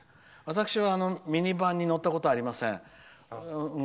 私はミニバンに乗ったことはありません。